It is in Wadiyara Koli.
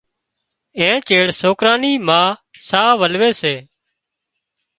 اين چيڙ سوڪران نِي ما ساهَ ولوي سي۔